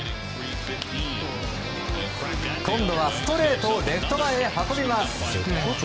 今度はストレートをレフト前へ運びます。